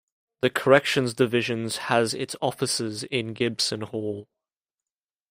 The corrections divisions has its offices in Gibson Hall.